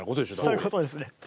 そういうことですね。